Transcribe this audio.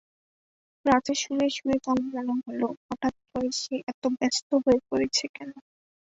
রাতে শুয়ে-শুয়ে তার মনে হলো, হঠাৎ করে সে এত ব্যস্ত হয়ে পড়েছে কেন?